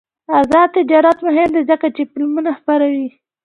آزاد تجارت مهم دی ځکه چې فلمونه خپروي.